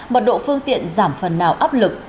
mật độ phương tiện giảm phần nào áp lực